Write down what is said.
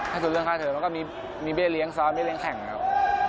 ให้สุดเรื่องค่าเทิมแล้วก็มีเบี้ยเลี้ยงซ้อนเบี้ยเลี้ยงแข่งครับ